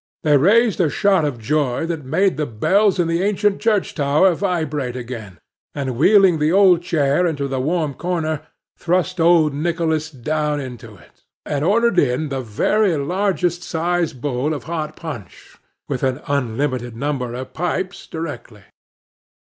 They raised a shout of joy, that made the bells in the ancient church tower vibrate again, and wheeling the old chair into the warm corner, thrust old Nicholas down into it, and ordered in the very largest sized bowl of hot punch, with an unlimited number of pipes, directly.